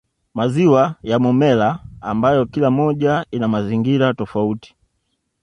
Maziwa ya Momella ambayo kila moja ina mazingira tofauti